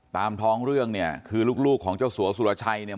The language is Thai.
ตามท้องเรื่องเนี่ยคือลูกของเจ้าสัวสุรชัยเนี่ย